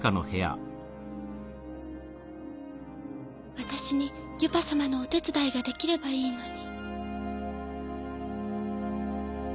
私にユパ様のお手伝いができればいいのに。